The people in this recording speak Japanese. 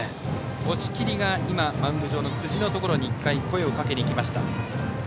押切が、マウンド上の辻のところに声をかけに行きました。